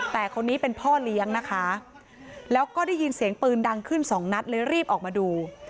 แต่คนนี้เป็นพ่อเลี้ยงนะคะแล้วก็ได้ยินเสียงปืนดังขึ้นสองนัดเลยรีบออกมาดู